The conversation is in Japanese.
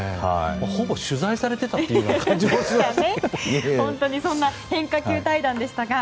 ほぼ取材されていたという感じもしましたね。